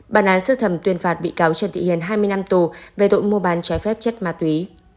bà nán sử thẩm tuyên phạt bị cáo trần thị hiền hai mươi năm tù về tội mua bán trái phép chất ma túy